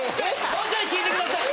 もうちょい聞いてください！